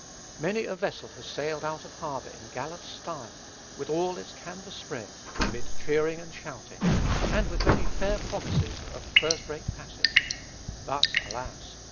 Many a vessel has sailed out of harbor in gallant style, with all its canvas spread, amid cheering and shouting, and with many fair promises of a first rate passage; but, alas!